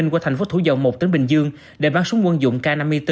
qua tp thủ dầu một tỉnh bình dương để bán súng quân dụng k năm mươi bốn